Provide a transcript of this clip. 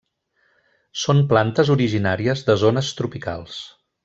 Són plantes originàries de zones tropicals.